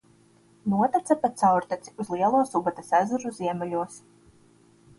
Notece pa caurteci uz Lielo Subates ezeru ziemeļos.